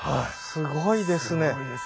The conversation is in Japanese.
すごいですね。